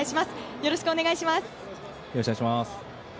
よろしくお願いします。